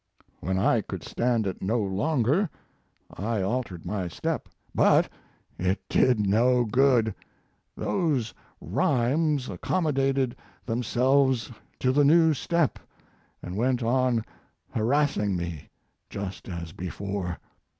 When I could stand it no longer I altered my step. But it did no good; those rhymes accommodated themselves to the new step and went on harassing me just as before.